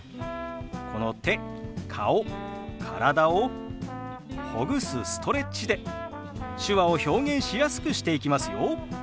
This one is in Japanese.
この手顔体をほぐすストレッチで手話を表現しやすくしていきますよ。